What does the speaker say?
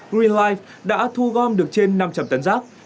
green life đã thu gom được trên năm trăm linh tấn rác